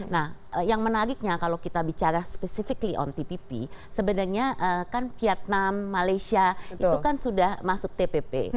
nah yang menariknya kalau kita bicara spesifikly on tpp sebenarnya kan vietnam malaysia itu kan sudah masuk tpp